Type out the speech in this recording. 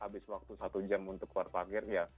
abis waktu satu jam untuk keluar parkir ya